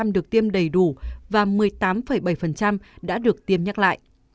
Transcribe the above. năm mươi chín được tiêm đầy đủ và một mươi tám bảy đã được tiêm nhắc lại